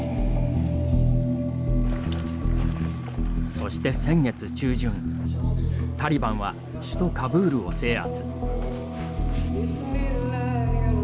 そして先月中旬タリバンは首都カブールを制圧。